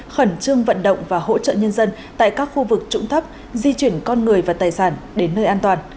khẩn trương vận động và hỗ trợ nhân dân tại các khu vực trũng thấp di chuyển con người và tài sản đến nơi an toàn